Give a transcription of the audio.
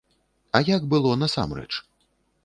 А як было насамрэч?